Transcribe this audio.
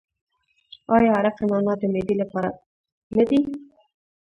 آیا عرق نعنا د معدې لپاره نه دی؟